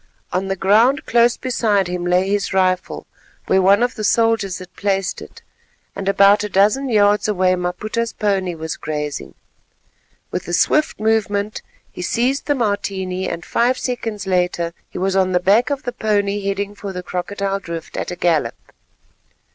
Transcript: On the ground close beside him lay his rifle, where one of the soldiers had placed it, and about a dozen yards away Maputa's pony was grazing. With a swift movement, he seized the Martini and five seconds later he was on the back of the pony, heading for the Crocodile Drift at a gallop.